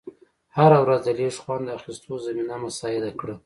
هره ورځ د لیږ خوند اخېستو زمینه مساعده کړه.